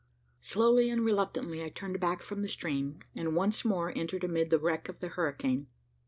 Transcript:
Slowly and reluctantly, I turned back from the stream, and once more entered amid the wreck of the hurricane.